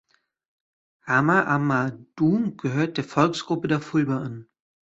Hama Amadou gehört der Volksgruppe der Fulbe an.